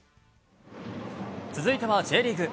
続いてはＪリーグ。